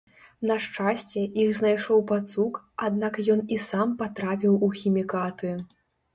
На шчасце, іх знайшоў пацук, аднак ён і сам патрапіў у хімікаты.